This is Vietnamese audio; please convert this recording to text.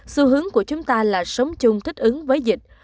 xu hướng của chúng ta là sống chung thích ứng với dịch